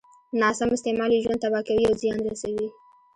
ناسم استعمال يې ژوند تباه کوي او زيان رسوي.